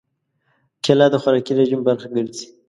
کېله د خوراکي رژیم برخه ګرځي.